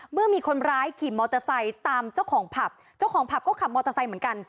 เมื่อมีคนร้ายขี่มอเตอร์ไซค์ตามเจ้าของผับเจ้าของผับก็ขับมอเตอร์ไซค์เหมือนกัน